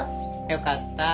よかった。